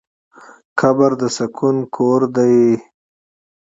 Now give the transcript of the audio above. قبر د سکون کور دی.